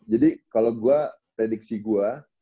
jadi kalau gue prediksi gue